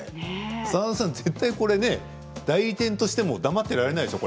澤田さん、これ絶対代理店としても黙っていられないでしょう？